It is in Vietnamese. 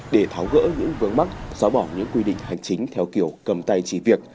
để tháo gỡ những vướng mắt gió bỏ những quy định hành chính theo kiểu cầm tay chỉ việc